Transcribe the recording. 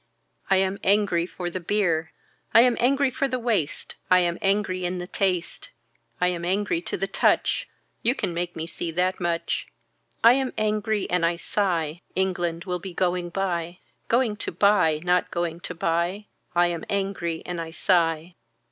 I am angry for the bier. I am angry for the waist. I am angry in the taste. I am angry to the touch. You can make me see that much. I am angry and I sigh. England will be going by. Going to buy not going to buy. I am angry and I sigh.